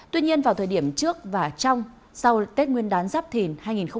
tuy nhiên vào thời điểm trước và trong sau tết nguyên đán giáp thìn hai nghìn hai mươi bốn